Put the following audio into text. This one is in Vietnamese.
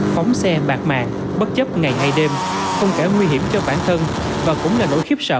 phóng xe bạc màng bất chấp ngày hay đêm không kể nguy hiểm cho bản thân và cũng là nỗi khiếp sợ